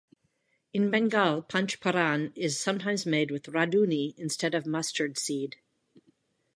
In Bengal, panch phoron is sometimes made with radhuni instead of mustard seed.